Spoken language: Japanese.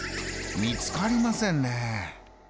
見つかりませんね。